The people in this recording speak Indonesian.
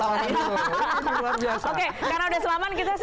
oke karena sudah selama kita